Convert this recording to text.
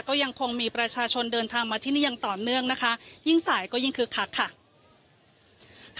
ก็ยังคงมีประชาชนเดินทางมาที่นี่ยังต่อเนื่องนะคะยิ่งสายก็ยิ่งคึกคักค่ะ